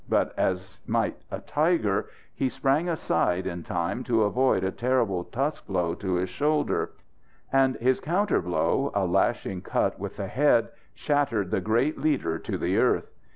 But as might a tiger, he sprang aside in time to avoid a terrible tusk blow to his shoulder. And his counter blow, a lashing cut with the head, shattered the great leader to the earth.